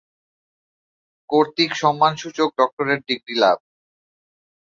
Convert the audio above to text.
কর্তৃক সম্মানসূচক doctorate degree লাভ